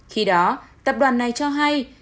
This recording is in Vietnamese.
khi đó tập đoàn này cho hay